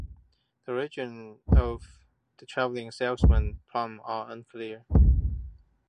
The origins of the travelling salesman problem are unclear.